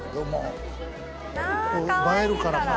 映えるからか。